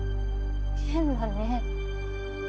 変だね。